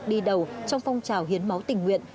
đi đầu trong phong trào hiến máu tình nguyện